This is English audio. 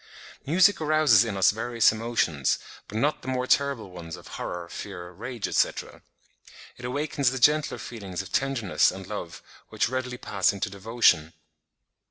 Music arouses in us various emotions, but not the more terrible ones of horror, fear, rage, etc. It awakens the gentler feelings of tenderness and love, which readily pass into devotion.